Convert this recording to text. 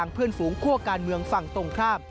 เพื่อนฝูงคั่วการเมืองฝั่งตรงข้าม